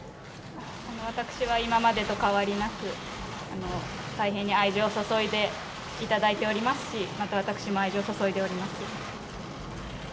私は今までと変わりなく、大変に愛情を注いでいただいておりますし、また、私も愛情を注いでおります。